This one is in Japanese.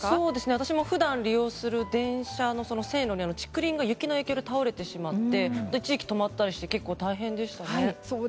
私も普段利用する電車の線路の竹林が雪の影響で倒れて止まったりして大変でした。